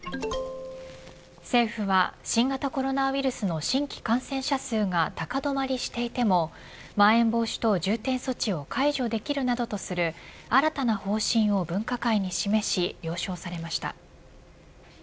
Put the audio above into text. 政府は新型コロナウイルスの新規感染者数が高止まりしていてもまん延防止等重点措置を解除できるなどとする新たな方針を分科会に示し了承されました。